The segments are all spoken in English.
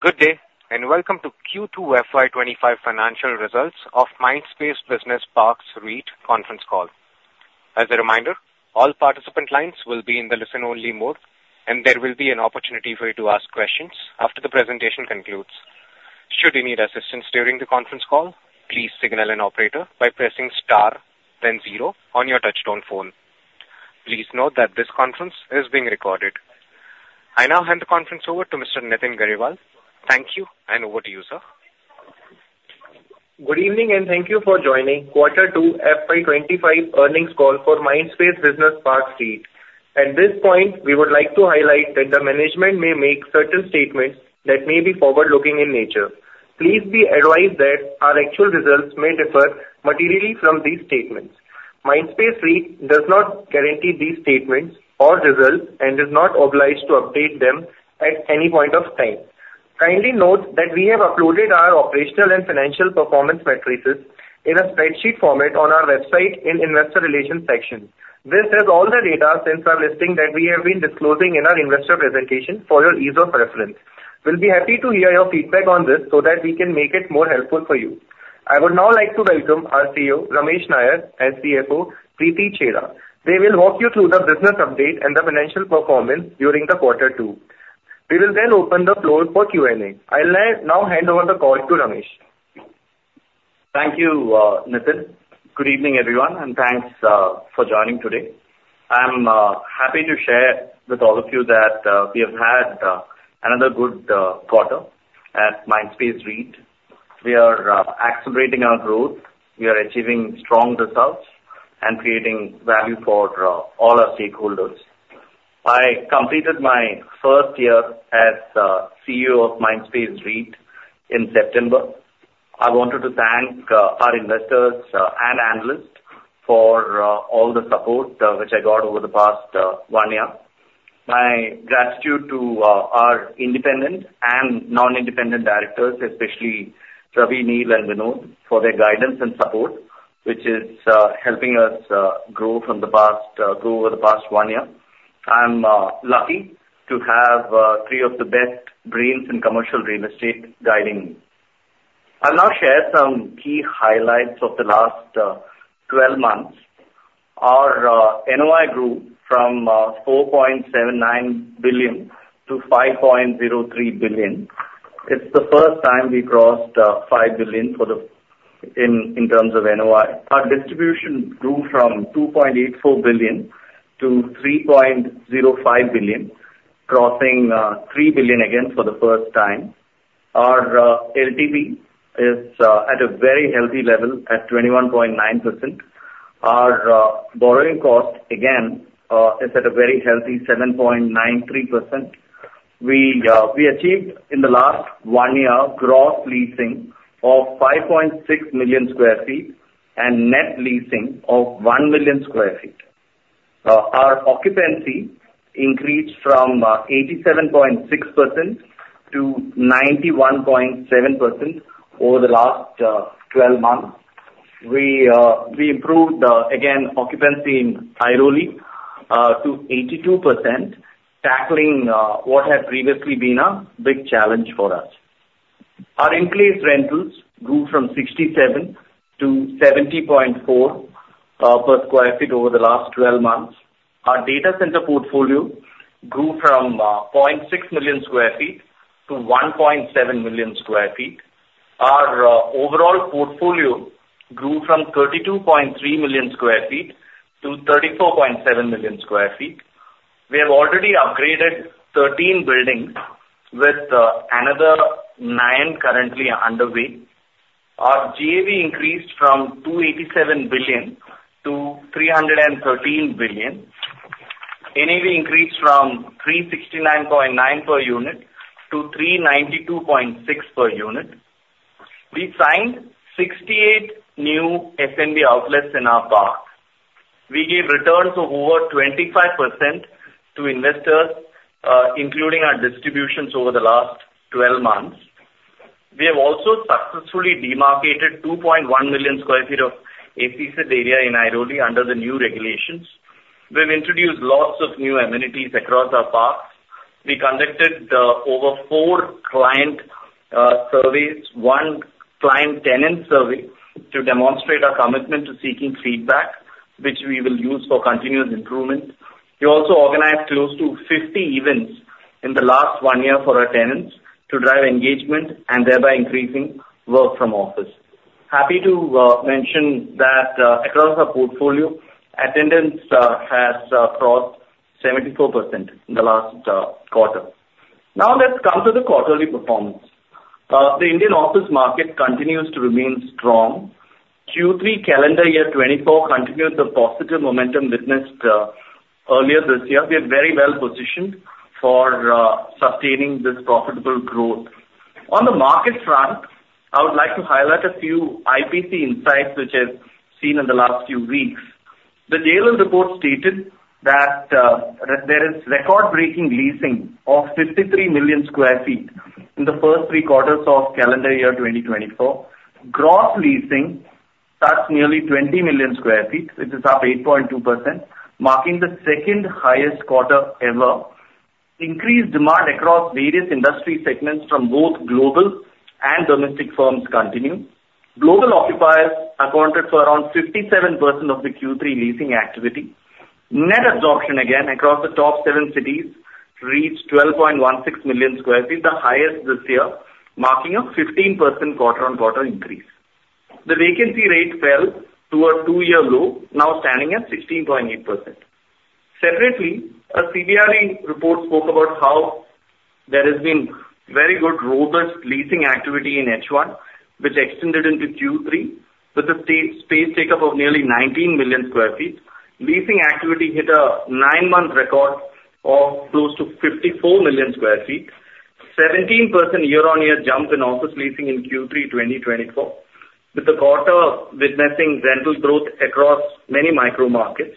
Good day, and welcome to Q2 FY 2025 financial results of Mindspace Business Parks REIT conference call. As a reminder, all participant lines will be in the listen-only mode, and there will be an opportunity for you to ask questions after the presentation concludes. Should you need assistance during the conference call, please signal an operator by pressing star then zero on your touchtone phone. Please note that this conference is being recorded. I now hand the conference over to Mr. Nitin Garewal. Thank you, and over to you, sir. Good evening, and thank you for joining quarter two FY 2025 earnings call for Mindspace Business Parks REIT. At this point, we would like to highlight that the management may make certain statements that may be forward-looking in nature. Please be advised that our actual results may differ materially from these statements. Mindspace REIT does not guarantee these statements or results and is not obliged to update them at any point of time. Kindly note that we have uploaded our operational and financial performance metrics in a spreadsheet format on our website in Investor Relations section. This has all the data since our listing that we have been disclosing in our investor presentation for your ease of reference. We'll be happy to hear your feedback on this so that we can make it more helpful for you. I would now like to welcome our CEO, Ramesh Nair, and CFO, Preeti Chheda. They will walk you through the business update and the financial performance during the quarter two. We will then open the floor for Q&A. I'll now hand over the call to Ramesh. Thank you, Nitin. Good evening, everyone, and thanks for joining today. I'm happy to share with all of you that we have had another good quarter at Mindspace REIT. We are accelerating our growth. We are achieving strong results and creating value for all our stakeholders. I completed my first year as CEO of Mindspace REIT in September. I wanted to thank our investors and analysts for all the support which I got over the past one year. My gratitude to our independent and non-independent directors, especially Ravi, Neel, and Vinod, for their guidance and support, which is helping us grow over the past one year. I'm lucky to have three of the best brains in commercial real estate guiding me. I'll now share some key highlights of the last twelve months. Our NOI grew from 4.79 billion to 5.03 billion. It's the first time we crossed five billion in terms of NOI. Our distribution grew from 2.84 billion to 3.05 billion, crossing three billion again for the first time. Our LTV is at a very healthy level, at 21.9%. Our borrowing cost, again, is at a very healthy 7.93%. We achieved in the last one year gross leasing of 5.6 million sq ft and net leasing of 1 million sq ft. Our occupancy increased from 87.6% to 91.7% over the last twelve months. We improved, again, occupancy in Airoli to 82%, tackling what had previously been a big challenge for us. Our in-place rentals grew from 67 to 70.4 per sq ft over the last 12 months. Our data center portfolio grew from 0.6 million sq ft to 1.7 million sq ft. Our overall portfolio grew from 32.3 million sq ft to 34.7 million sq ft. We have already upgraded 13 buildings with another 9 currently underway. Our GAV increased from 287 billion to 313 billion. NAV increased from 369.9 per unit to 392.6 per unit. We signed 68 new F&B outlets in our parks. We gave returns of over 25% to investors, including our distributions over the last 12 months. We have also successfully demarcated 2.1 million sq ft of SEZ area in Airoli under the new regulations. We've introduced lots of new amenities across our parks. We conducted over four client surveys, one client tenant survey, to demonstrate our commitment to seeking feedback, which we will use for continuous improvement. We also organized close to 50 events in the last one year for our tenants to drive engagement and thereby increasing work from office. Happy to mention that across our portfolio, attendance has crossed 74% in the last quarter. Now, let's come to the quarterly performance. The Indian office market continues to remain strong. Q3 calendar year 2024 continues the positive momentum witnessed earlier this year. We are very well positioned for sustaining this profitable growth. On the market front, I would like to highlight a few IPC insights, which I've seen in the last few weeks. The JLL report stated that there is record-breaking leasing of 53 million sq ft in the first three quarters of calendar year 2024. Gross leasing that's nearly 20 million sq ft, which is up 8.2%, marking the second highest quarter ever. Increased demand across various industry segments from both global and domestic firms continue. Global occupiers accounted for around 57% of the Q3 leasing activity. Net absorption, again, across the top seven cities reached 12.16 million sq ft, the highest this year, marking a 15% quarter-on-quarter increase. The vacancy rate fell to a two-year low, now standing at 16.8%. Separately, a CBRE report spoke about how there has been very good, robust leasing activity in H1, which extended into Q3, with a space take up of nearly 19 million sq ft. Leasing activity hit a nine-month record of close to 54 million sq ft, 17% year-on-year jump in office leasing in Q3 2024, with the quarter witnessing rental growth across many micro markets.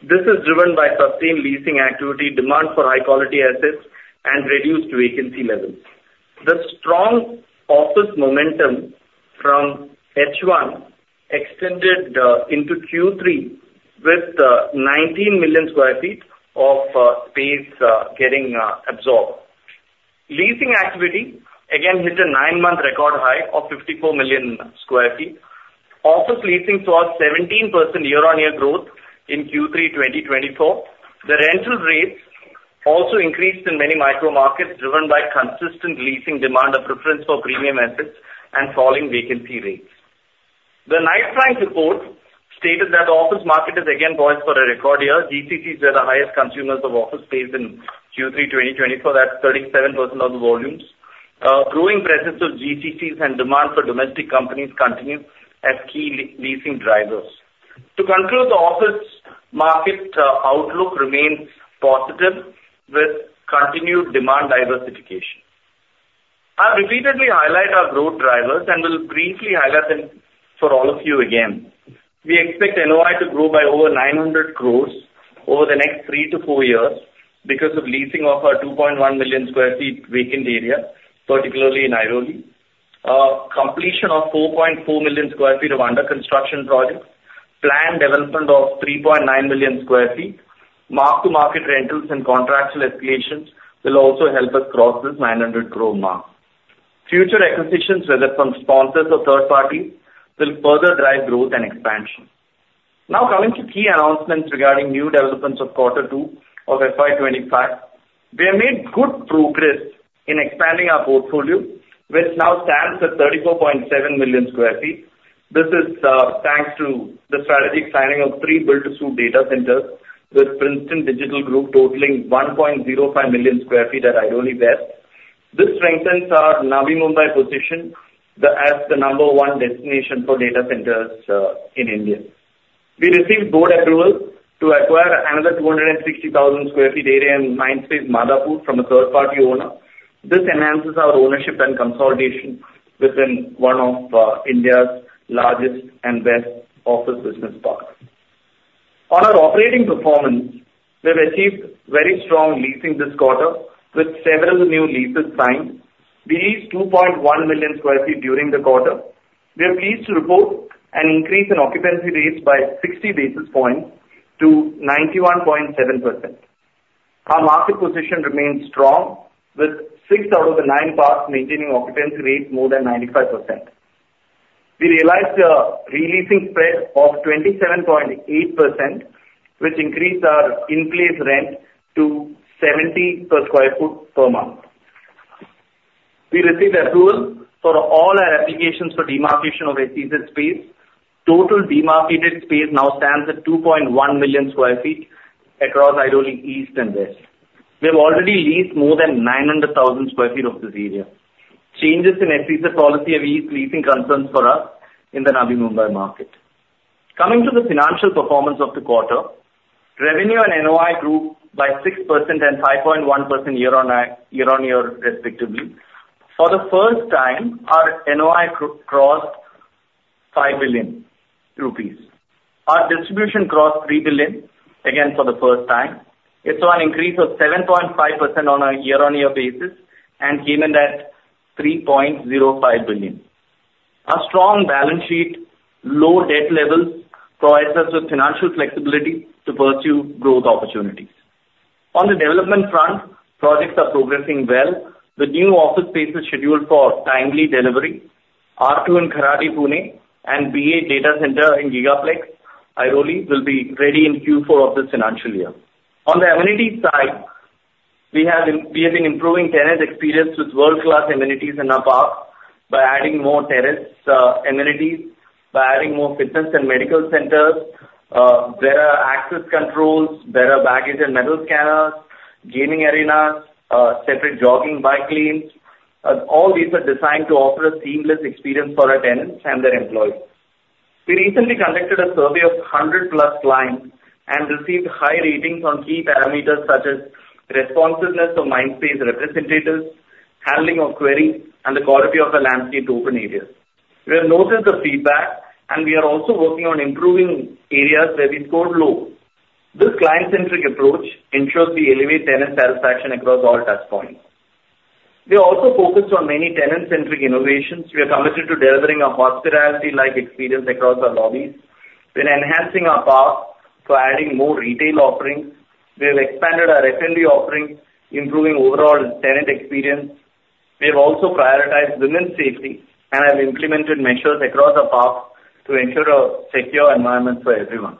This is driven by sustained leasing activity, demand for high-quality assets, and reduced vacancy levels. The strong office momentum from H1 extended into Q3, with 19 million sq ft of space getting absorbed. Leasing activity again hit a nine-month record high of 54 million sq ft. Office leasing saw 17% year-on-year growth in Q3 2024. The rental rates also increased in many micro markets, driven by consistent leasing demand, a preference for premium assets, and falling vacancy rates. The Knight Frank report stated that the office market is again poised for a record year. GCCs were the highest consumers of office space in Q3 2024, at 37% of the volumes. Growing presence of GCCs and demand for domestic companies continue as key leasing drivers. To conclude, the office market, outlook remains positive with continued demand diversification. I've repeatedly highlight our growth drivers, and will briefly highlight them for all of you again. We expect NOI to grow by over 900 crores over the next three to four years because of leasing of our 2.1 million sq ft vacant area, particularly in Airoli. Completion of 4.4 million sq ft of under construction projects, planned development of 3.9 million sq ft, mark-to-market rentals and contractual escalations will also help us cross this 900 crore mark. Future acquisitions, whether from sponsors or third parties, will further drive growth and expansion. Now, coming to key announcements regarding new developments of Quarter Two of FY 2025. We have made good progress in expanding our portfolio, which now stands at 34.7 million sq ft. This is thanks to the strategic signing of three build-to-suit data centers with Princeton Digital Group, totaling 1.05 million sq ft at Airoli West. This strengthens our Navi Mumbai position as the number one destination for data centers in India. We received board approval to acquire another 260,000 sq ft area in Mindspace Madhapur from a third-party owner. This enhances our ownership and consolidation within one of India's largest and best office business parks. On our operating performance, we've achieved very strong leasing this quarter, with several new leases signed. We leased 2.1 million sq ft during the quarter. We are pleased to report an increase in occupancy rates by 60 basis points to 91.7%. Our market position remains strong, with six out of the nine parks maintaining occupancy rates more than 95%. We realized a re-leasing spread of 27.8%, which increased our in-place rent to 70 per sq ft per month. We received approval for all our applications for demarcation of excess space. Total demarcated space now stands at 2.1 million sq ft across Airoli East and West. We have already leased more than 900,000 sq ft of this area. Changes in SEZ policy have eased leasing concerns for us in the Navi Mumbai market. Coming to the financial performance of the quarter, revenue and NOI grew by 6% and 5.1% year-on-year, respectively. For the first time, our NOI crossed 5 billion rupees. Our distribution crossed 3 billion, again, for the first time. It saw an increase of 7.5% on a year-on-year basis, and came in at 3.05 billion. Our strong balance sheet, low debt level, provides us with financial flexibility to pursue growth opportunities. On the development front, projects are progressing well. The new office space is scheduled for timely delivery. R2 in Kharadi, Pune, and B8 Data Center in GigaPlex, Airoli, will be ready in Q4 of this financial year. On the amenities side, we have been improving tenant experience with world-class amenities in our parks by adding more terrace amenities, by adding more fitness and medical centers, better access controls, better baggage and metal scanners, gaming arenas, separate jogging bike lanes. All these are designed to offer a seamless experience for our tenants and their employees. We recently conducted a survey of 100-plus clients and received high ratings on key parameters, such as responsiveness of Mindspace representatives, handling of queries, and the quality of the landscape to open areas. We have noted the feedback, and we are also working on improving areas where we scored low. This client-centric approach ensures we elevate tenant satisfaction across all touchpoints. We are also focused on many tenant-centric innovations. We are committed to delivering a hospitality-like experience across our lobbies. We're enhancing our parks by adding more retail offerings. We have expanded our F&B offerings, improving overall tenant experience. We have also prioritized women's safety and have implemented measures across our parks to ensure a secure environment for everyone.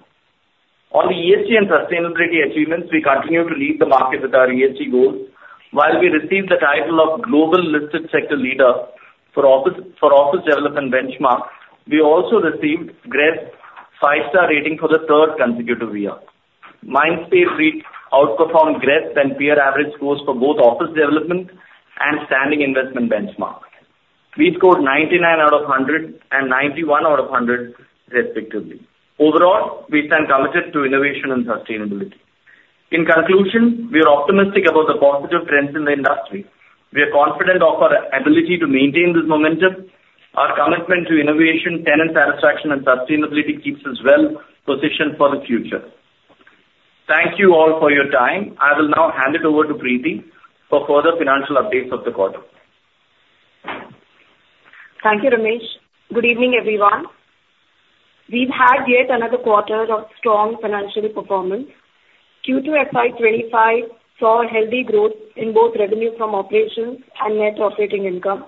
On the ESG and sustainability achievements, we continue to lead the market with our ESG goals. While we received the title of Global Listed Sector Leader for office, for office development benchmark, we also received GRESB five-star rating for the third consecutive year. Mindspace REIT outperformed GRESB and peer average scores for both office development and standing investment benchmark. We scored ninety-nine out of hundred and ninety-one out of hundred, respectively. Overall, we stand committed to innovation and sustainability. In conclusion, we are optimistic about the positive trends in the industry. We are confident of our ability to maintain this momentum. Our commitment to innovation, tenant satisfaction, and sustainability keeps us well positioned for the future. Thank you all for your time. I will now hand it over to Preeti for further financial updates of the quarter. Thank you, Ramesh. Good evening, everyone. We've had yet another quarter of strong financial performance. Q2 FY 2025 saw a healthy growth in both revenue from operations and net operating income.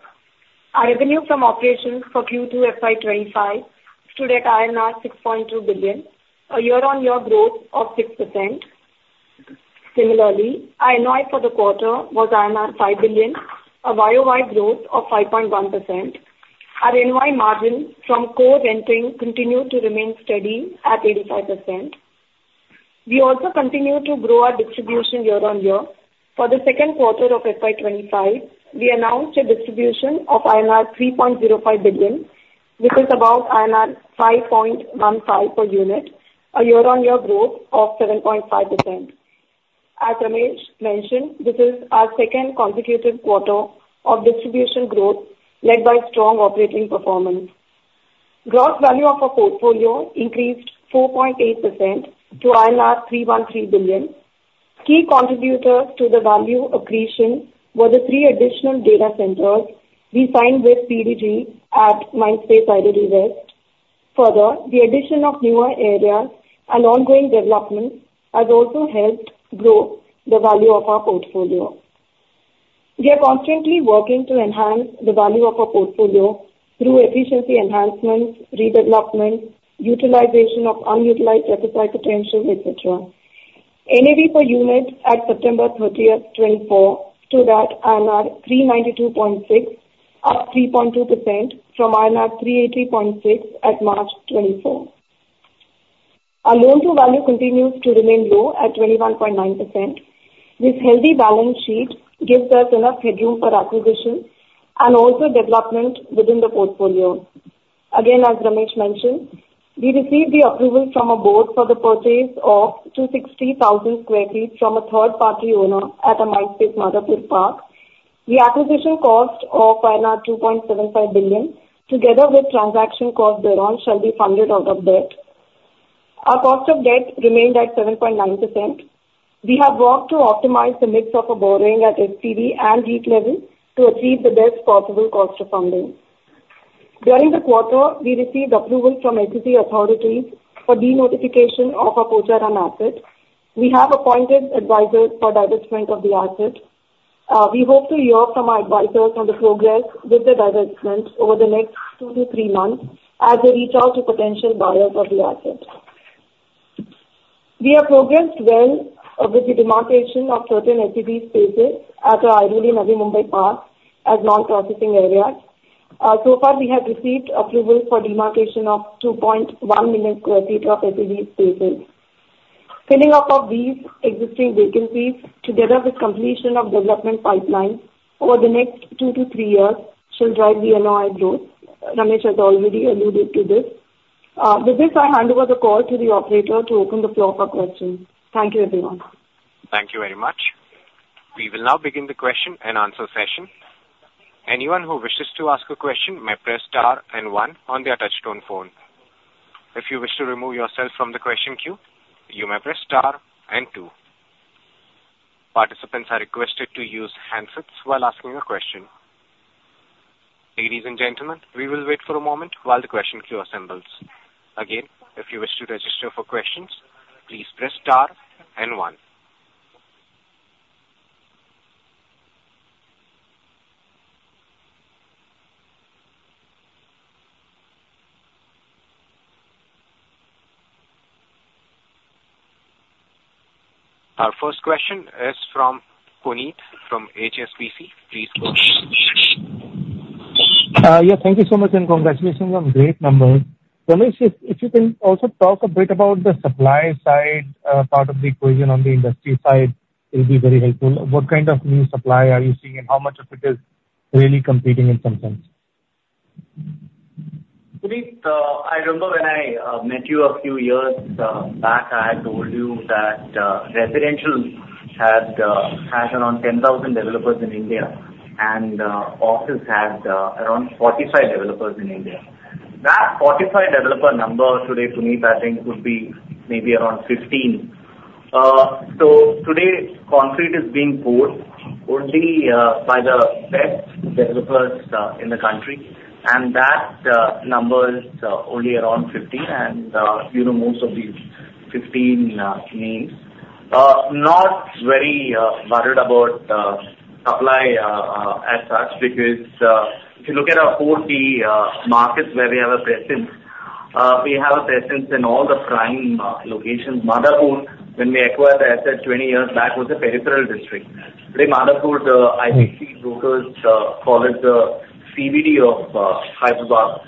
Our revenue from operations for Q2 FY 2025 stood at 6.2 billion, a year-on-year growth of 6%. Similarly, our NOI for the quarter was 5 billion, a YOY growth of 5.1%. Our NOI margin from core renting continued to remain steady at 85%. We also continued to grow our distribution year on year. For the second quarter of FY 2025, we announced a distribution of INR 3.05 billion, which is about INR 5.15 per unit, a year-on-year growth of 7.5%. As Ramesh mentioned, this is our second consecutive quarter of distribution growth, led by strong operating performance. Gross value of our portfolio increased 4.8% to INR 313 billion. Key contributors to the value accretion were the three additional data centers we signed with PDG at Mindspace Airoli West. Further, the addition of newer areas and ongoing development has also helped grow the value of our portfolio. We are constantly working to enhance the value of our portfolio through efficiency enhancements, redevelopment, utilization of unutilized asset-like potential, et cetera. NAV per unit at September thirtieth, 2024, stood at INR 392.6, up 3.2% from INR 380.6 at March 2024. Our loan-to-value continues to remain low at 21.9%. This healthy balance sheet gives us enough headroom for acquisition and also development within the portfolio. Again, as Ramesh mentioned, we received the approval from our board for the purchase of 260,000 sq ft from a third-party owner at Mindspace Madhapur. The acquisition cost of 2.75 billion, together with transaction cost thereon, shall be funded out of debt. Our cost of debt remained at 7.9%. We have worked to optimize the mix of our borrowing at SPV and REIT level to achieve the best possible cost of funding. During the quarter, we received approval from agency authorities for de-notification of our Pocharam asset. We have appointed advisors for divestment of the asset. We hope to hear from our advisors on the progress with the divestment over the next two to three months as they reach out to potential buyers of the asset. We have progressed well with the demarcation of certain SEZ spaces at our Airoli Navi Mumbai Park as non-processing areas. So far, we have received approval for demarcation of 2.1 million sq ft of SEZ spaces. Filling up of these existing vacancies, together with completion of development pipeline over the next 2-3 years, shall drive the NOI growth. Ramesh has already alluded to this. With this, I hand over the call to the operator to open the floor for questions. Thank you, everyone. Thank you very much. We will now begin the question-and-answer session. Anyone who wishes to ask a question may press star and one on their touch-tone phone. If you wish to remove yourself from the question queue, you may press star and two. Participants are requested to use handsets while asking a question. Ladies and gentlemen, we will wait for a moment while the question queue assembles. Again, if you wish to register for questions, please press star and one. Our first question is from Puneet, from HSBC. Please go ahead. Yeah, thank you so much, and congratulations on great numbers. Ramesh, if you can also talk a bit about the supply side, part of the equation on the industry side, it'll be very helpful. What kind of new supply are you seeing, and how much of it is really competing in some sense? Puneet, I remember when I met you a few years back, I had told you that residential had had around ten thousand developers in India, and office had around forty-five developers in India. That forty-five developer number today, Puneet, I think would be maybe around fifteen. So today, concrete is being poured only by the best developers in the country, and that number is only around fifteen, and you know, most of these fifteen names. Not very worried about supply as such, because if you look at our forty markets where we have a presence, we have a presence in all the prime locations. Madhapur, when we acquired the asset twenty years back, was a peripheral district. Today, Madhapur, the IBC brokers call it the CBD of Hyderabad.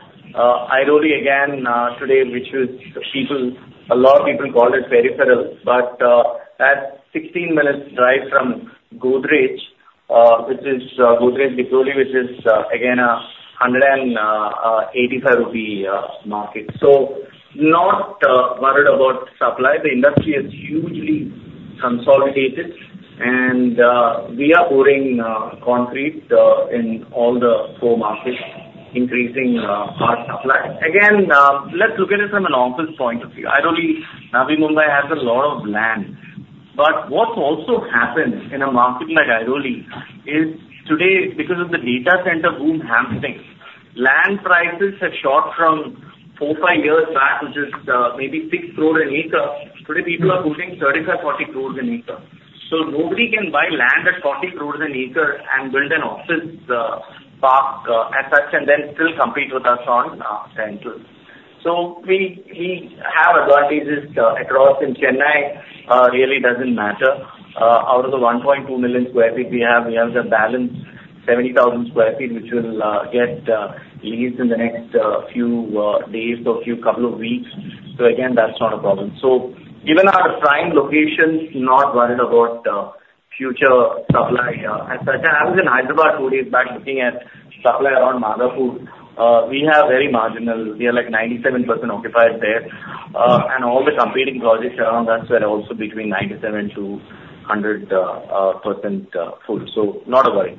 Airoli again, today, which is the people, a lot of people call it peripheral, but that's sixteen minutes drive from Godrej, which is Godrej Vikhroli, which is again a hundred and eighty-five rupee market. So not worried about supply. The industry is hugely consolidated, and we are pouring concrete in all the four markets, increasing our supply. Again, let's look at it from an office point of view. Airoli, Navi Mumbai, has a lot of land, but what's also happened in a market like Airoli is today, because of the data center boom happening, land prices have shot from four, five years back, which is maybe six crore an acre. Today, people are putting thirty-five, forty crores an acre. So nobody can buy land at 40 crores an acre and build an office park as such, and then still compete with us on rentals. So we have advantages across. In Chennai, really doesn't matter. Out of the 1.2 million sq ft we have, we have the balance 70,000 sq ft, which will get leased in the next few days or few couple of weeks. So again, that's not a problem. So given our prime locations, not worried about future supply as such. And I was in Hyderabad two days back, looking at supply around Madhapur. We have very marginal. We are like 97% occupied there, and all the competing projects around us were also between 97% to 100% full, so not a worry.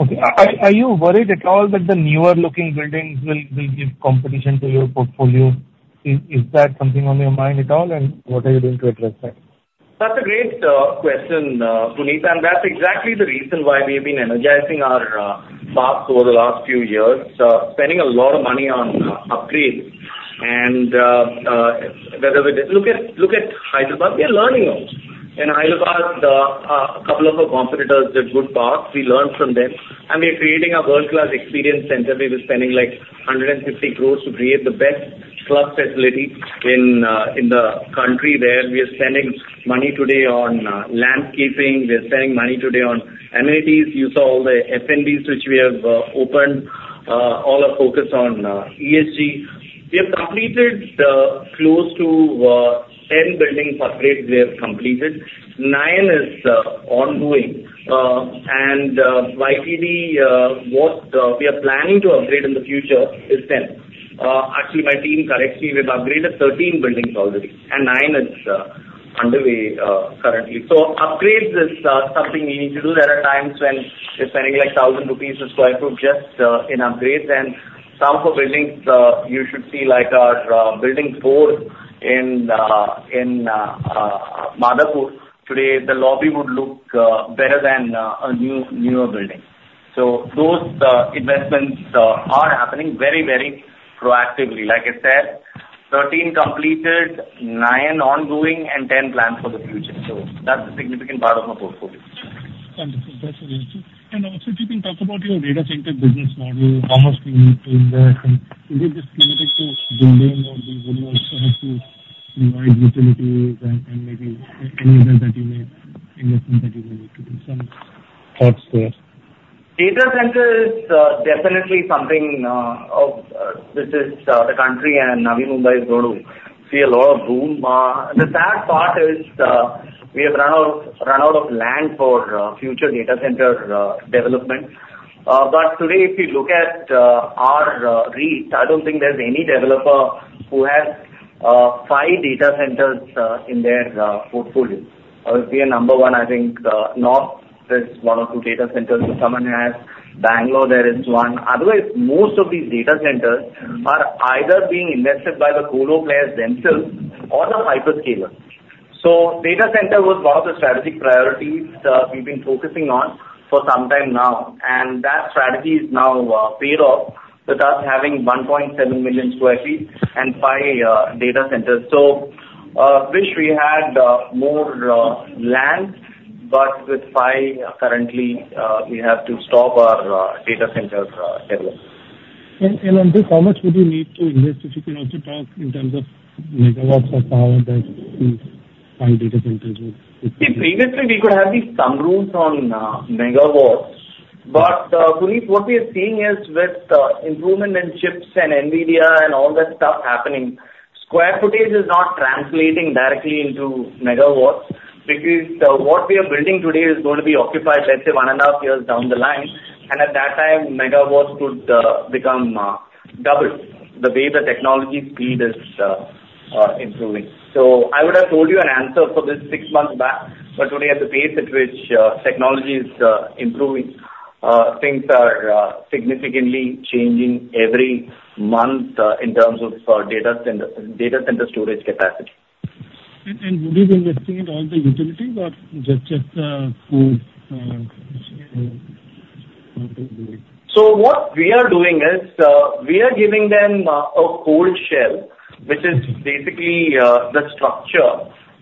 Okay. Are you worried at all that the newer looking buildings will give competition to your portfolio? Is that something on your mind at all, and what are you doing to address that? That's a great question, Puneet, and that's exactly the reason why we have been energizing our parks over the last few years, spending a lot of money on upgrade. And whether we look at Hyderabad, we are learning also. In Hyderabad, a couple of our competitors did good parks. We learned from them, and we're creating a world-class experience center. We were spending, like, 150 crores to create the best club facility in the country there. We are spending money today on landscaping. We are spending money today on amenities. You saw all the F&Ds which we have opened, all are focused on ESG. We have completed close to 10 building upgrades. Nine is ongoing. What we are planning to upgrade in the future is 10. Actually, my team corrects me. We've upgraded 13 buildings already, and 9 is underway currently. Upgrades is something we need to do. There are times when we're spending, like, 1,000 rupees per sq ft just in upgrades. Some of our buildings, you should see, like, our building four in Madhapur. Today, the lobby would look better than a newer building. So those investments are happening very, very proactively. Like I said, 13 completed, 9 ongoing, and 10 planned for the future, so that's a significant part of our portfolio. Wonderful. That's great. And also, if you can talk about your data center business model, how much we need to invest, and is it just limited to building, or do you also have to provide utilities and, and maybe any other that you may invest that you may need to do? Some thoughts there. Data centers are definitely something of this country, and Navi Mumbai is going to see a lot of boom. The sad part is we have run out of land for future data center development. Today, if you look at our reach, I don't think there's any developer who has five data centers in their portfolio. We are number one, I think. North, there's one or two data centers that someone has. Bangalore, there is one. Otherwise, most of these data centers are either being invested by the colo players themselves or the hyperscalers. So data center was one of the strategic priorities we've been focusing on for some time now, and that strategy is now paid off, with us having 1.7 million sq ft and five data centers. So wish we had more land, but with five currently, we have to stop our data centers development. And on this, how much would you need to invest, if you can also talk in terms of megawatts of power that these five data centers would? See, previously we could have these thumb rules on megawatts, but Puneet, what we are seeing is with improvement in chips and NVIDIA and all that stuff happening, square footage is not translating directly into megawatts. Because, what we are building today is going to be occupied, let's say, one and a half years down the line, and at that time, megawatts could become double, the way the technology speed is improving, so I would have told you an answer for this six months back, but today, at the pace at which technology is improving, things are significantly changing every month, in terms of data center, data center storage capacity. Would you be investing in all the utilities or just cool? So what we are doing is, we are giving them a cold shell, which is basically the structure.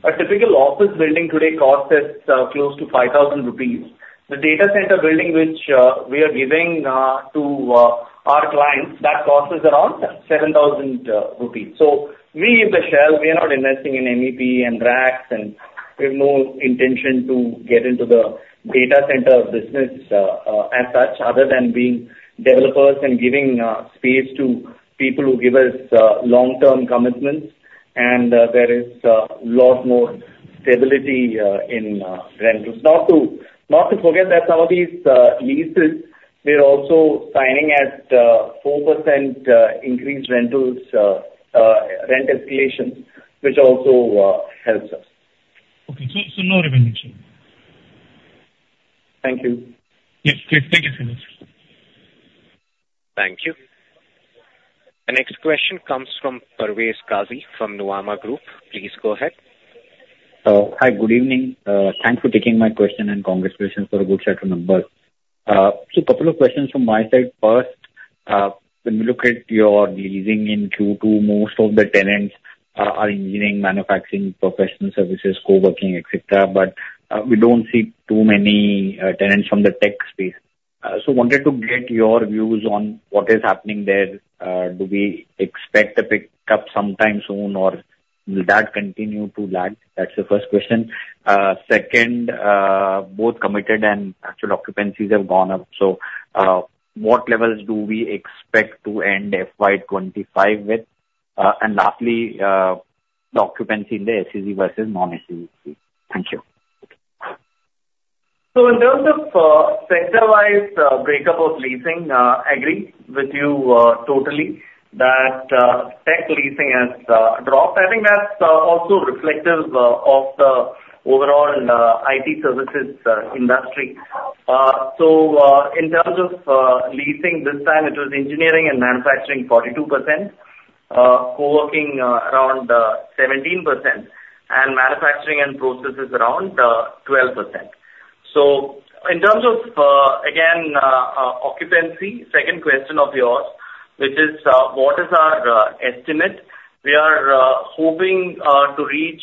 A typical office building today costs us close to 5,000 rupees. The data center building, which we are giving to our clients, that costs us around 7,000 rupees. So we give the shell, we are not investing in MEP and racks, and we have no intention to get into the data center business as such, other than being developers and giving space to people who give us long-term commitments. And there is lot more stability in rentals. Not to forget that some of these leases we are also signing at 4% increased rentals rent escalation, which also helps us. Okay. So, no revenue share? Thank you. Yes, please. Thank you so much. Thank you. The next question comes from Parvez Qazi from Nuvama Group. Please go ahead. Hi, good evening. Thanks for taking my question, and congratulations for a good set of numbers. So a couple of questions from my side. First, when we look at your leasing in Q2, most of the tenants are engineering, manufacturing, professional services, co-working, etcetera, but we don't see too many tenants from the tech space. So wanted to get your views on what is happening there. Do we expect a pickup sometime soon, or will that continue to lag? That's the first question. Second, both committed and actual occupancies have gone up. So, what levels do we expect to end FY 2025 with? And lastly, the occupancy in the SEZ versus non-SEZ. Thank you. So in terms of sector-wise breakup of leasing, I agree with you totally that tech leasing has dropped. I think that's also reflective of the overall IT services industry. So in terms of leasing, this time it was engineering and manufacturing 42%, co-working around 17%, and manufacturing and processes around 12%. So in terms of again occupancy, second question of yours, which is what is our estimate? We are hoping to reach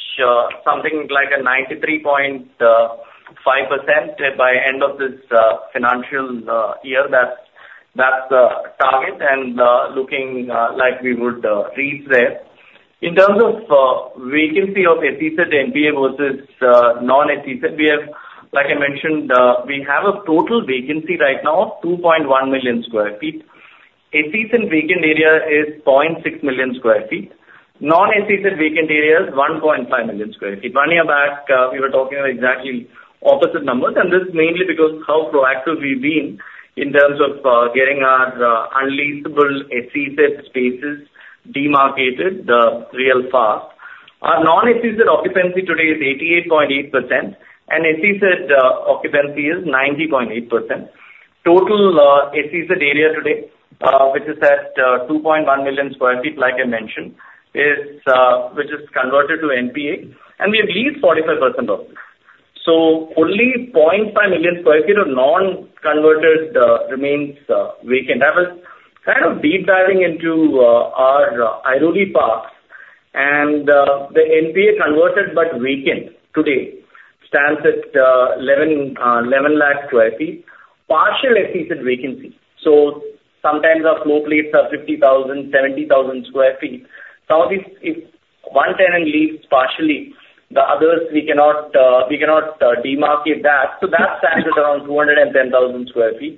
something like a 93.5% by end of this financial year. That's the target, and looking like we would reach there. In terms of vacancy of SEZ and NPA versus non-SEZ, we have, like I mentioned, we have a total vacancy right now of 2.1 million sq ft. SEZ vacant area is 0.6 million sq ft. Non-SEZ vacant area is 1.5 million sq ft. One year back, we were talking about exactly opposite numbers, and this is mainly because how proactive we've been in terms of getting our unleaseable SEZ spaces demarcated real fast. Our non-SEZ occupancy today is 88.8%, and SEZ occupancy is 90.8%. Total SEZ area today, which is at 2.1 million sq ft, like I mentioned, is which is converted to NPA, and we have leased 45% of it. So only 0.5 million sq ft of non-converted remains vacant. I was kind of deep diving into our Airoli Park, and the NPA converted but vacant today stands at 11 lakh sq ft. Partial SEZ vacancy, so sometimes our floor plates are 50,000-70,000 sq ft. Some of these, if one tenant leaves partially, the others we cannot demarcate that. So that stands at around 210,000 sq ft.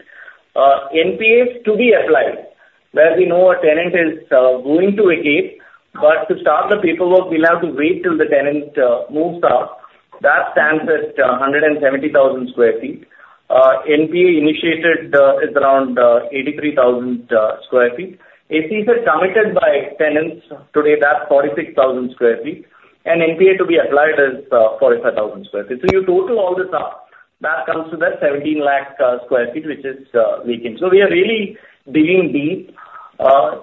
NPAs to be applied, where we know a tenant is going to vacate, but to start the paperwork, we'll have to wait till the tenant moves out. That stands at 170,000 sq ft. NPA initiated is around 83,000 sq ft. SEZ committed by tenants today, that's 46,000 sq ft, and NPA to be applied is 45,000 sq ft. You total all this up, that comes to the 17 lakh sq ft, which is vacant. We are really digging deep.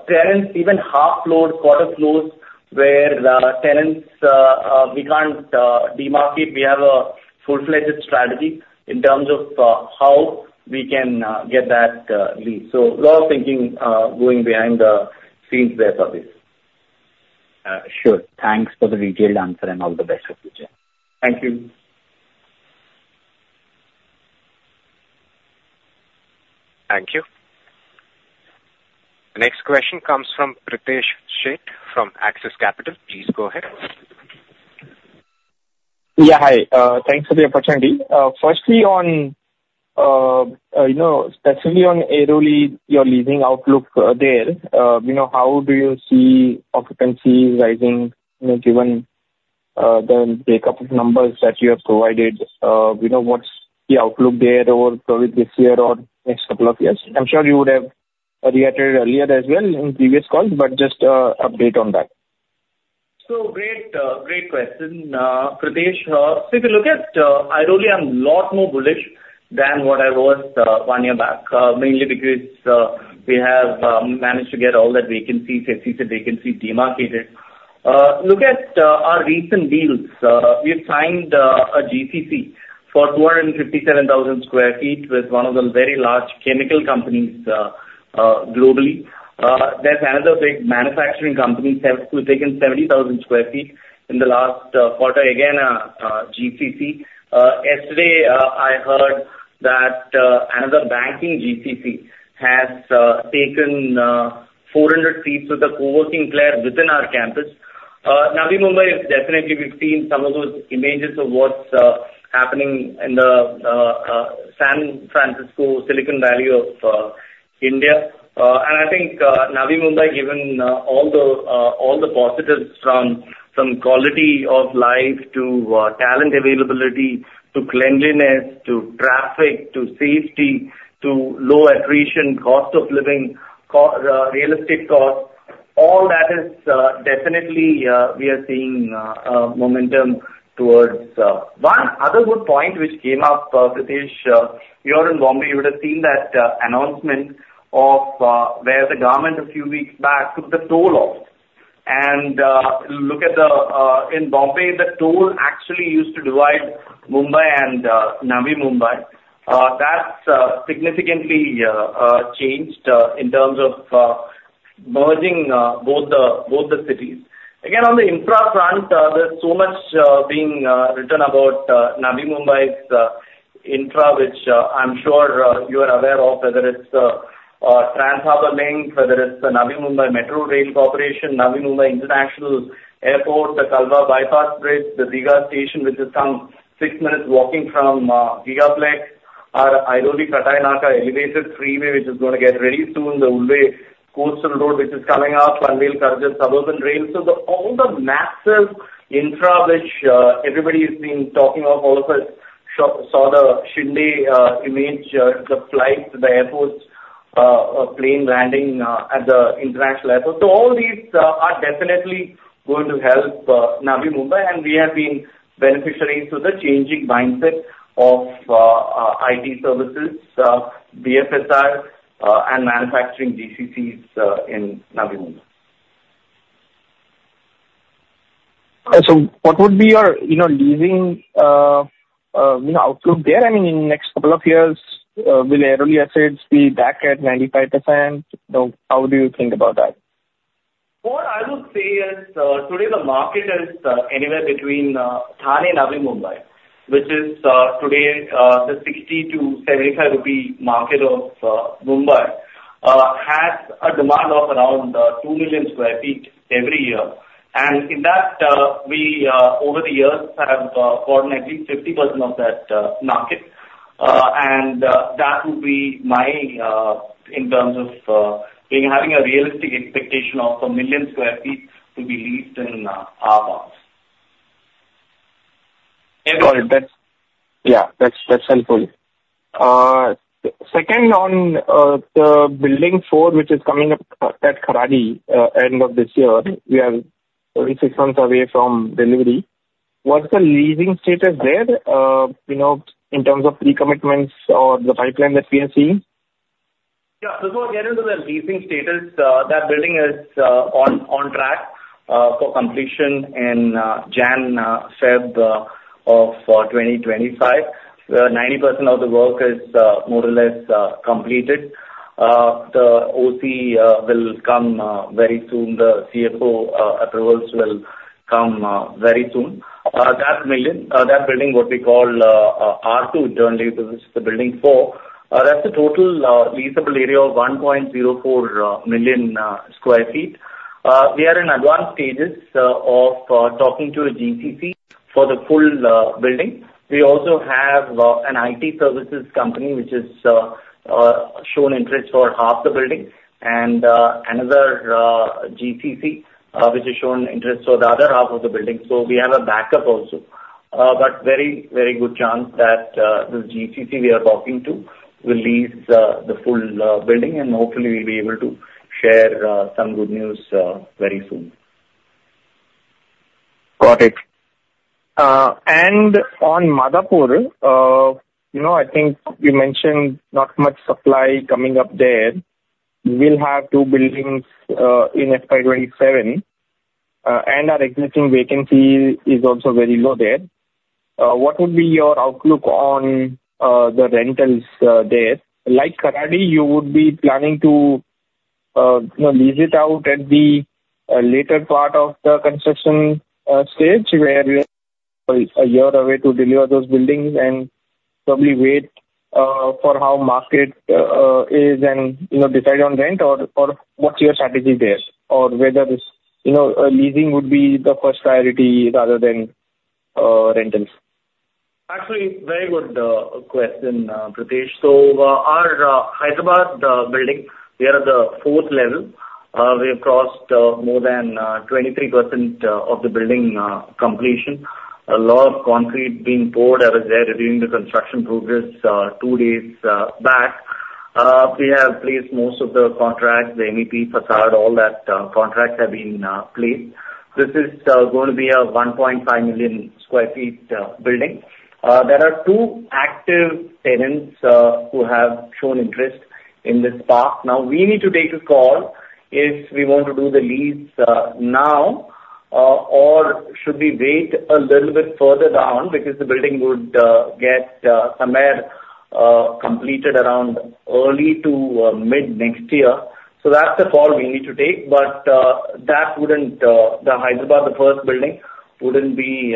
Tenants, even half load, quarter loads, where the tenants we can't demarcate, we have a full-fledged strategy in terms of how we can get that lease. A lot of thinking going behind the scenes there for this. Sure. Thanks for the detailed answer and all the best for future. Thank you. Thank you. The next question comes from. Please go ahead. Yeah, hi. Thanks for the opportunity. Firstly, on, you know, specifically on Airoli, your leasing outlook there, you know, how do you see occupancy rising, you know, given the breakup of numbers that you have provided? You know, what's the outlook there over probably this year or next couple of years? I'm sure you would have reiterated earlier as well in previous calls, but just update on that. So great, great question, Pritesh. So if you look at, I really am a lot more bullish than what I was, one year back, mainly because, we have managed to get all that vacancy, 50% vacancy demarcated. Look at, our recent deals. We've signed, a GCC for 257,000 sq ft with one of the very large chemical companies, globally. There's another big manufacturing company that has taken 70,000 sq ft in the last, quarter, again, GCC. Yesterday, I heard that, another banking GCC has, taken, 400 seats with a co-working player within our campus. Navi Mumbai is definitely, we've seen some of those images of what's, happening in the, San Francisco, Silicon Valley of, India. And I think Navi Mumbai, given all the positives from quality of life to talent availability, to cleanliness, to traffic, to safety, to low attrition, cost of living, real estate cost, all that is definitely we are seeing a momentum towards. One other good point which came up, Pritesh, here in Bombay, you would have seen that announcement of where the government a few weeks back took the toll off. And look at the in Bombay, the toll actually used to divide Mumbai and Navi Mumbai. That's significantly changed in terms of merging both the cities. Again, on the infra front, there's so much being written about Navi Mumbai's infra, which I'm sure you are aware of, whether it's Trans Harbor Link, whether it's the Navi Mumbai Metro Rail Corporation, Navi Mumbai International Airport, the Kalwa Bypass Bridge, the Digha station, which is some six minutes walking from GigaPlex, our Airoli-Katai Naka elevated freeway, which is going to get ready soon, the Ulwe Coastal Road, which is coming up, Panvel Kharghar Suburban Rail. So all the massive infra, which everybody has been talking of, all of us saw the Shinde image, the flight, the airport plane landing at the international airport. All these are definitely going to help Navi Mumbai, and we have been beneficiary to the changing mindset of IT services, BFSI, and manufacturing GCCs in Navi Mumbai. So what would be your, you know, leasing, you know, outlook there? I mean, in the next couple of years, will Airoli assets be back at 95%? So how do you think about that? What I would say is, today the market is anywhere between Thane and Navi Mumbai, which is today the 60-75 rupee market of Mumbai, has a demand of around 2 million sq ft every year, and in that we over the years have coordinated 50% of that market, and that would be my in terms of being having a realistic expectation of 1 million sq ft to be leased in our parks. Got it. That's... Yeah, that's helpful. Second on the Building 4, which is coming up at Kharadi, end of this year. We are only six months away from delivery. What's the leasing status there, you know, in terms of pre-commitments or the pipeline that we are seeing? Yeah. So before I get into the leasing status, that building is on track for completion in January-February 2025, where 90% of the work is more or less completed. The OC will come very soon. The CFO approvals will come very soon. That building, what we call R2 internally, because this is Building 4, that's a total leasable area of 1.04 million sq ft. We are in advanced stages of talking to a GCC for the full building. We also have an IT services company which has shown interest for half the building, and another GCC which has shown interest for the other half of the building. So we have a backup also. But very, very good chance that this GCC we are talking to will lease the full building, and hopefully, we'll be able to share some good news very soon. Got it. And on Madhapur, you know, I think you mentioned not much supply coming up there. We'll have two buildings in FY twenty-seven and our existing vacancy is also very low there. What would be your outlook on the rentals there? Like Kharadi, you would be planning to, you know, lease it out at the later part of the construction stage, where we are a year away to deliver those buildings and probably wait for how market is and, you know, decide on rent, or what's your strategy there? Or whether it's, you know, leasing would be the first priority rather than rentals. Actually, very good question, Pritesh. So, our Hyderabad building, we are at the fourth level. We have crossed more than 23% of the building completion. A lot of concrete being poured. I was there reviewing the construction progress two days back. We have placed most of the contracts, the MEP facade, all that, contracts have been placed. This is going to be a 1.5 million sq ft building. There are two active tenants who have shown interest in this park. Now, we need to take a call if we want to do the lease now or should we wait a little bit further down because the building would get somewhere completed around early to mid-next year. So that's the call we need to take, but the Hyderabad, the first building, wouldn't be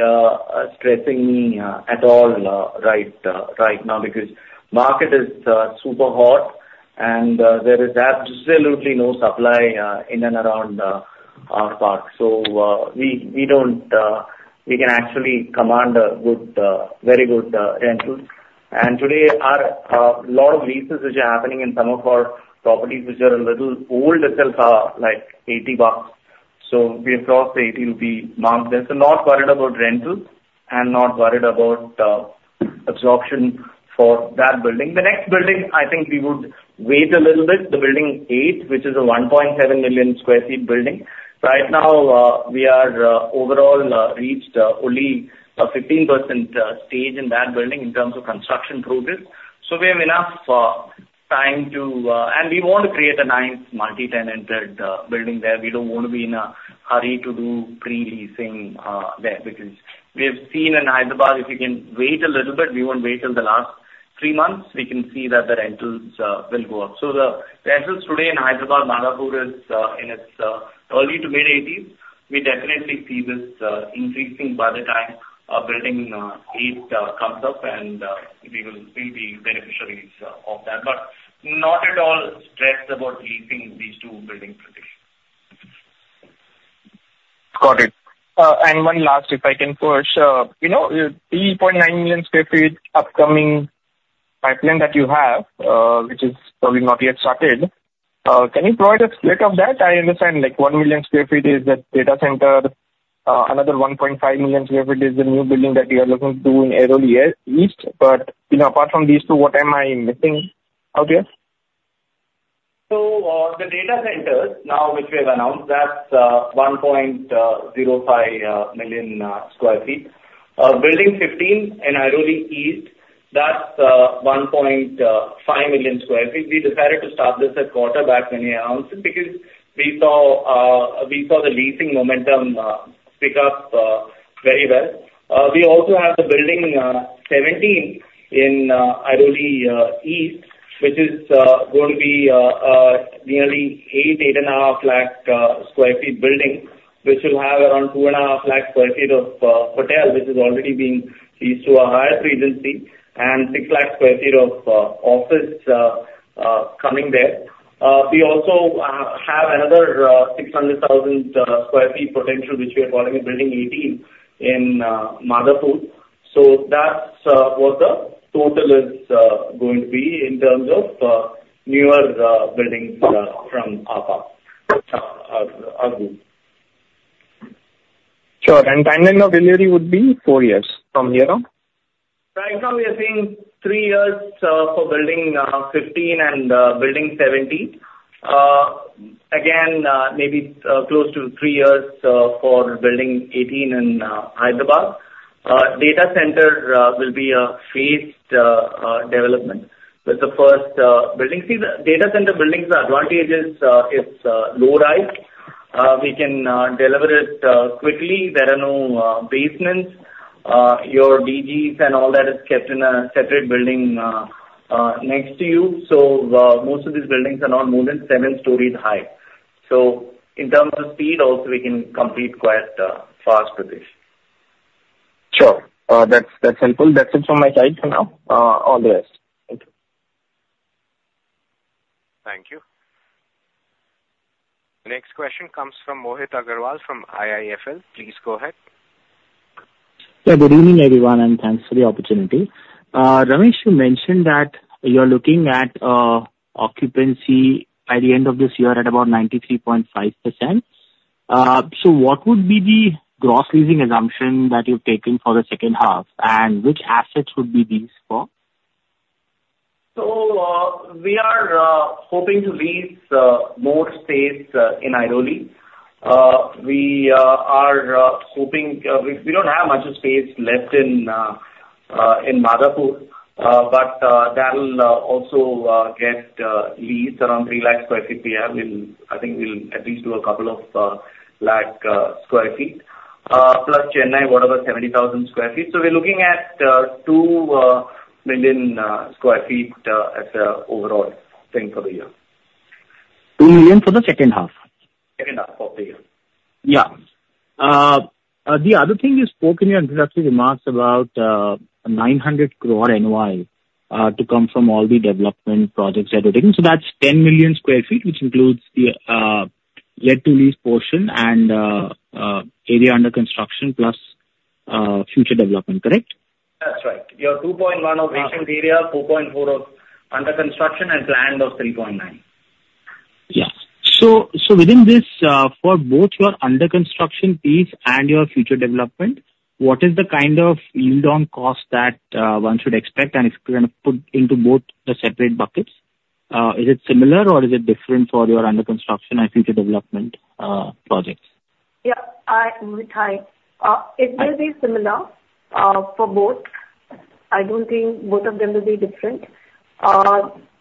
stressing me at all right now, because market is super hot, and there is absolutely no supply in and around our park. So we can actually command a good very good rentals. And today a lot of leases which are happening in some of our properties, which are a little old itself, are like 80 bucks. So we have crossed the 80 rupee mark. I'm so not worried about rentals and not worried about absorption for that building. The next building, I think we would wait a little bit, the building eight, which is a 1.7 million sq ft building. Right now, we are overall reached only a 15% stage in that building in terms of construction progress. So we have enough time to... We want to create a nice multi-tenant building there. We don't want to be in a hurry to do pre-leasing there, because we have seen in Hyderabad, if you can wait a little bit, we won't wait till the last three months, we can see that the rentals will go up. So the rentals today in Hyderabad, Madhapur, is in its early to mid-eighties. We definitely see this increasing by the time Building 18 comes up, and we will be the beneficiaries of that, but not at all stressed about leasing these two buildings today. Got it. One last, if I can push, you know, 3.9 million sq ft upcoming pipeline that you have, which is probably not yet started, can you provide a split of that? I understand, like, 1 million sq ft is the data center, another1.5 million sq ft is the new building that you are looking to do in Airoli East. You know, apart from these two, what am I missing out here? So, the data centers now, which we have announced, that's 1.05 million sq ft. Building 15 in Airoli East, that's 1.5 million sq ft. We decided to start this quarter back when we announced it, because we saw the leasing momentum pick up very well. We also have Building 17 in Airoli East, which is going to be nearly eight and a half lakh sq ft building, which will have around two and a half lakh sq ft of hotel, which is already being leased to a Hyatt Regency, and six lakh sq ft of office coming there. We also have another 600,000 sq ft potential, which we are calling Building 18 in Madhapur. So that's what the total is going to be in terms of newer buildings from K Raheja group. Sure. And timeline of delivery would be four years from here on? Right now, we are seeing three years for Building 15 and Building 17. Again, maybe close to three years for Building 18 in Hyderabad. Data center will be a phased development with the first building. See, the data center buildings, the advantage is, it's low-rise. We can deliver it quickly. There are no basements. Your DGs and all that is kept in a separate building next to you. So, most of these buildings are not more than seven stories high. So in terms of speed also, we can complete quite fast with this. Sure. That's helpful. That's it from my side for now, all the best. Thank you. Thank you. Next question comes from Mohit Agrawal from IIFL. Please go ahead. Yeah, good evening, everyone, and thanks for the opportunity. Ramesh, you mentioned that you're looking at occupancy by the end of this year at about 93.5%. So what would be the gross leasing assumption that you've taken for the second half, and which assets would be leased for? We are hoping to lease more space in Airoli. We are hoping we don't have much space left in Madhapur, but that'll also get leased around three lakh sq ft here. I think we'll at least do a couple of lakh sq ft, plus Chennai, whatever, 70,000 sq ft. We're looking at 2 million sq ft at the overall thing for the year. 2 million for the second half? Second half of the year. Yeah. The other thing you spoke in your introductory remarks about 900 crore NOI to come from all the development projects that you're taking. So that's 10 million sq ft, which includes the let to lease portion and area under construction, plus future development, correct? That's right. Yeah, 2.1 of vacant area, 4.4 of under construction, and land of 3.9. Yeah. So, so within this, for both your under construction piece and your future development, what is the kind of yield on cost that one should expect and kind of put into both the separate buckets? Is it similar or is it different for your under construction and future development projects? Yeah, I, hi. It will be similar for both. I don't think both of them will be different.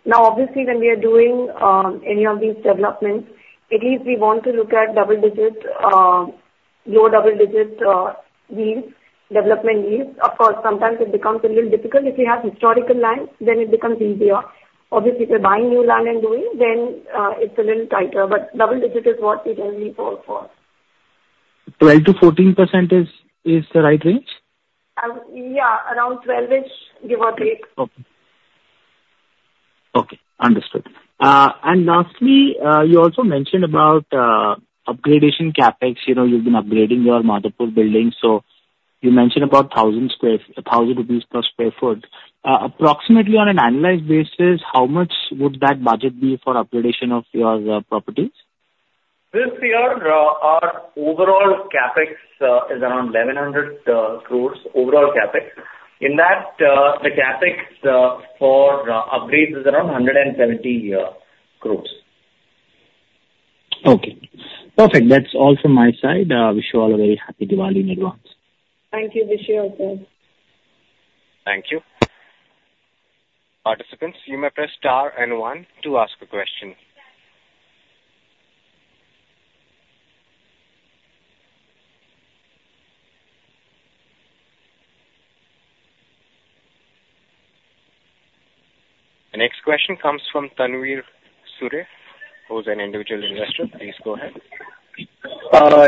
Now, obviously, when we are doing any of these developments, at least we want to look at double digit, low double digit, yields, development yields. Of course, sometimes it becomes a little difficult. If you have historical land, then it becomes easier. Obviously, if you're buying new land and doing, then, it's a little tighter, but double digit is what we generally fall for. 12%-14% is the right range? Yeah, around twelve-ish, give or take. Okay. Okay, understood, and lastly, you also mentioned about upgradation CapEx. You know, you've been upgrading your Madhapur building, so you mentioned about 1,000 sq ft, INR 1,000 per sq ft. Approximately on an annualized basis, how much would that budget be for upgradation of your properties? This year, our overall CapEx is around 1,100 crores, overall CapEx. In that, the CapEx for upgrades is around 170 crores. Okay, perfect. That's all from my side. Wish you all a very happy Diwali in advance. Thank you. Wish you also. Thank you. Participants, you may press star and one to ask a question. The next question comes from Tanvir Suri, who is an individual investor. Please go ahead.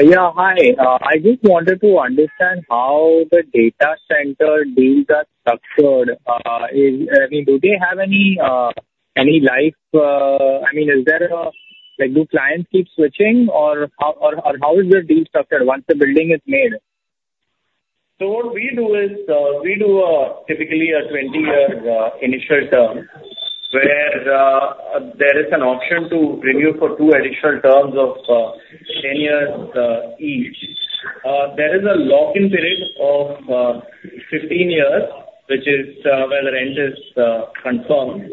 Yeah, hi. I just wanted to understand how the data center deals are structured. I mean, do they have any life? I mean, is there a, like, do clients keep switching or how is the deal structured once the building is made? So what we do is, we do typically a 20-year initial term, where there is an option to renew for two additional terms of 10 years each. There is a lock-in period of 15 years, which is where the rent is confirmed.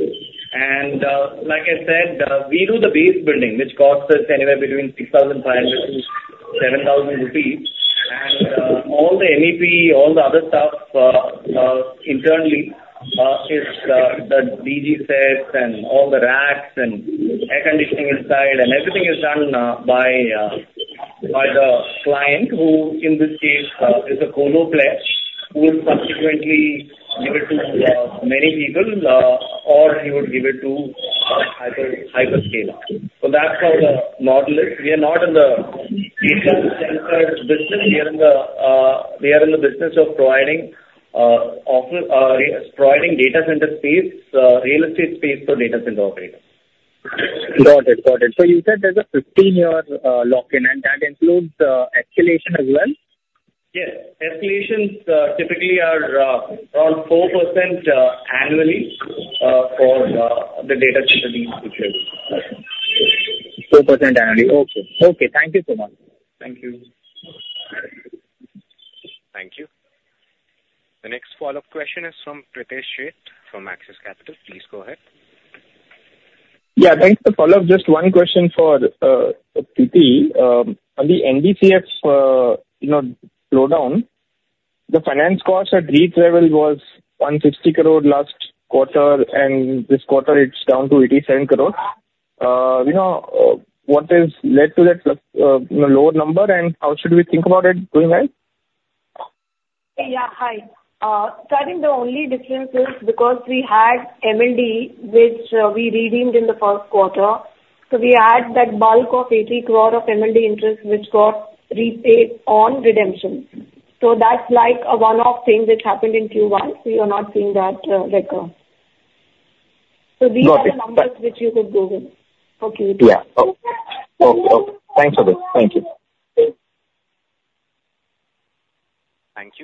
And like I said, we do the base building, which costs us anywhere between 6,500-7,000 rupees. And all the MEP, all the other stuff internally is the DG sets and all the racks and air conditioning inside and everything is done by the client, who in this case is a colo player, who will subsequently give it to many people or he would give it to hyperscaler. So that's how the model is. We are not in the data center business. We are in the business of providing office, data center space, real estate space for data center operators. Got it. Got it. So you said there's a fifteen-year lock-in, and that includes escalation as well? Yes. Escalations typically are around 4% annually for the data center deals, which is- 4% annually. Okay. Okay, thank you so much. Thank you. Thank you. The next follow-up question is from Pritesh Sheth, from Axis Capital. Please go ahead. Yeah, thanks for the follow-up. Just one question for Pritesh. On the capex slowdown, the finance cost at REIT level was 160 crore last quarter, and this quarter it's down to 87 crore. You know, what has led to that, you know, lower number, and how should we think about it going ahead? Yeah, hi. So I think the only difference is because we had MLD, which we redeemed in the first quarter, so we had that bulk of 80 crore of MLD interest, which got repaid on redemption. So that's like a one-off thing which happened in Q1, so you're not seeing that recur Got it. So these are the numbers which you could go with. Okay. Yeah. Okay. Thanks for this. Thank you. Thank you.